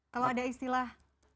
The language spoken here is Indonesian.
kalau ada istilah